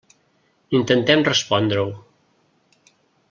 Intentem respondre-ho.